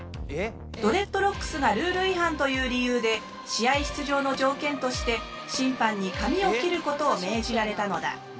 ドレッドロックスがルール違反という理由で試合出場の条件として審判に髪を切ることを命じられたのだ。